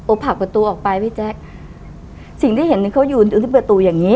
ผลักประตูออกไปพี่แจ๊คสิ่งที่เห็นเขายืนอยู่ที่ประตูอย่างงี้